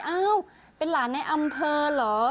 อ้าวเป็นหลานในอำเภอเหรอ